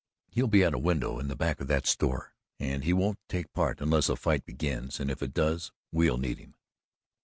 "He'll be at a window in the back of that store and he won't take part unless a fight begins, and if it does, we'll need him."